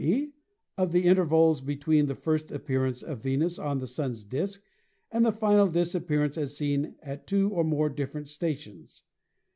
e., of the intervals between the first appearance of Venus on the Sun's disk and the final dis appearance, as seen at two or more different stations.